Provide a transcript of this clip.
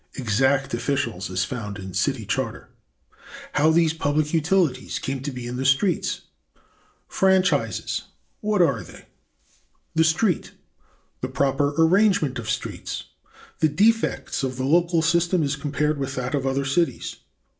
(Exact officials as found in city charter.) C. How these public utilities came to be in the streets. D. Franchises; what are they? The Street. (a) The proper arrangement of streets. (b) The defects of the local system as compared with that of other cities.